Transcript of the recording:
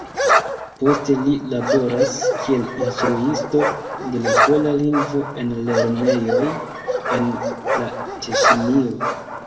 Poste li laboras kiel instruisto de la pola lingvo en lernejoj en la Teŝinio.